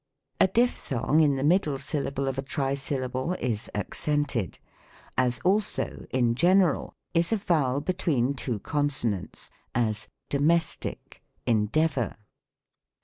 A dipthong in the middle syllable of a trisyllable is accented : as also, in general, is a vowel before two consonants: as, "Domestic," "endeavor."